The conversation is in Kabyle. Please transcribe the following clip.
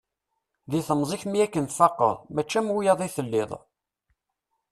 Di temẓi-k mi akken tfaqeḍ, mačči am wiyaḍ ay telliḍ.